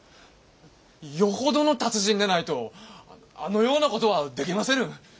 よほどの達人でないとあのようなことはできませぬ！